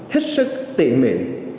hết sức tỉ mỉ